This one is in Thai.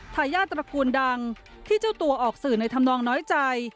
ทายาทตระกูลดังที่เจ้าตัวออกสื่อในธรรมนองน้อยใจ